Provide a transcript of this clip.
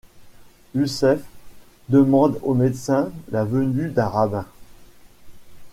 Yucef demande au médecin la venue d'un rabbin.